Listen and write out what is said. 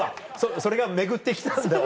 それが巡って来たんだわ。